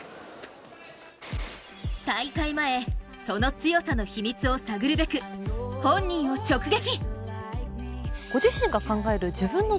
大会前その強さの秘密を探るべく、本人を直撃！